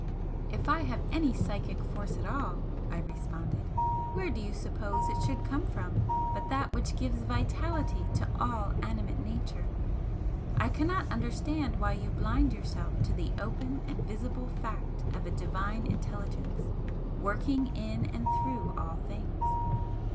"If I have any psychic force at all," I responded, "where do you suppose it should come from but that which gives vitality to all animate Nature? I cannot understand why you blind yourself to the open and visible fact of a Divine Intelligence working in and through all things.